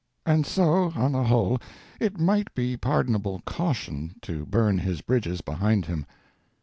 And so on the whole it might be pardonable caution to burn his bridges behind him.